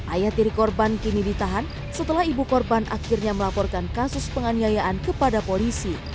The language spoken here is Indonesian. ayah tiri korban kini ditahan setelah ibu korban akhirnya melaporkan kasus penganiayaan kepada polisi